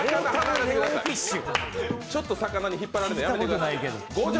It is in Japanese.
ちょっと魚に引っ張られるのやめてください。